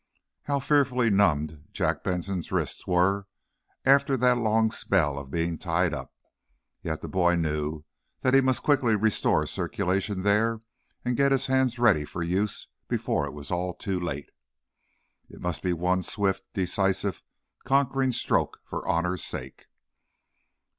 How fearfully numbed Jack Benson's wrists were, after that long spell of being tied up. Yet the boy knew that he must quickly restore circulation there and get his hands ready for use before it was all too late. It must be one swift, decisive, conquering stroke for honor's sake.